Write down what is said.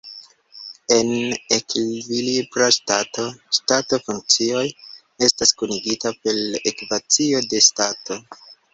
En ekvilibra stato stato-funkcioj estas kunigita per ekvacio de stato.